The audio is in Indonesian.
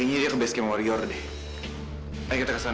jangan ray ini urusan cowok lo dimanjakan